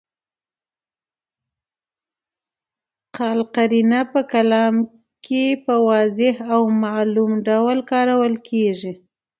قال قرینه په کلام کي په واضح او معلوم ډول کارول کیږي.